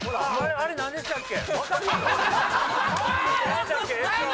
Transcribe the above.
あれ何でしたっけ